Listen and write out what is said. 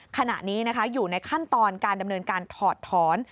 ขณะนี้อยู่ในขั้นตอนการดำเนินการถอดถอน